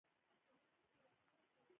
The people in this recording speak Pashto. د افغانستان طبیعت له هرات څخه جوړ شوی دی.